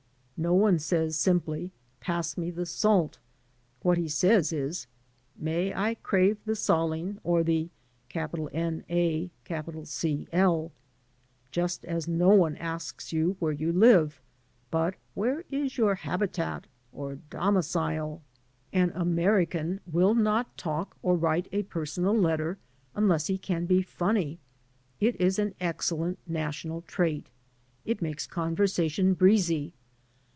No one says, simply, "Pass me the salt.*' What he says is, "May I crave the saline or the NaCl?" just as no one asks you where you live, but where is your habitat or domicile. An American 254 HARVEY will not talk or write a personal letter unless he can be funny. It is an excellent national trait. It makes conversation breezy.